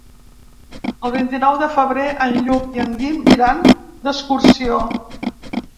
El vint-i-nou de febrer en Lluc i en Guim iran d'excursió.